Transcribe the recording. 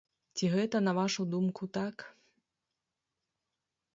Ці гэта, на вашу думку, так?